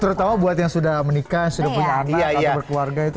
terutama buat yang sudah menikah sudah punya anak atau berkeluarga itu